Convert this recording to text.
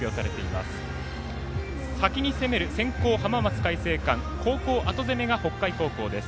先に攻める先攻、浜松開誠館後攻、後攻めが北海高校です。